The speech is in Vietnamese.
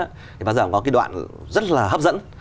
thì bây giờ có cái đoạn rất là hấp dẫn